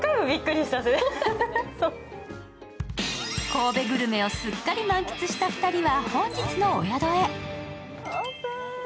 神戸グルメをすっかり満喫した２人は、本日のお宿へ。